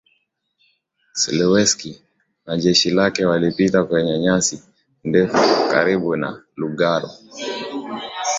Zelewski na jeshi lake walipita kwenye nyasi ndefu karibu na Lugalo